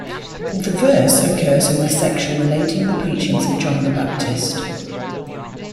The verse occurs in the section relating the preachings of John the Baptist.